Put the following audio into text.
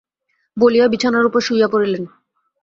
বলিয়া বিছানার উপর শুইয়া পড়িলেন।